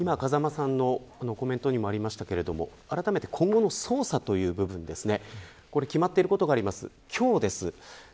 今、風間さんのコメントにもありましたがあらためて今後の捜査という部分ですね。